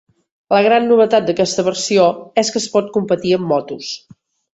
La gran novetat d'aquesta versió és que es pot competir amb motos.